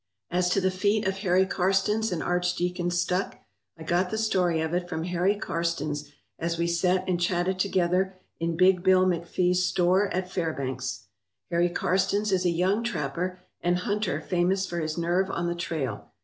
As to the feat of Harry Karstens and Archdeacon Stuck, I got the story of it from Harry Karstens as we sat and chatted together in Big Bill McPhee's' store at Fairbanks. Harry Karstens is a young trapper and hunter famous for his nerve on the trail.